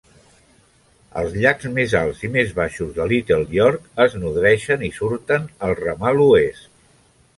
Els llacs més alts i més baixos de Little York es nodreixen i surten al ramal oest.